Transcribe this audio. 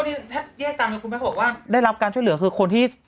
ถ้าแยกตามคุณแม่เขาบอกว่าได้รับการช่วยเหลือคือคนที่